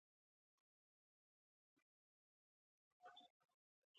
علم له ذهني محدودیتونو خلاصون دی.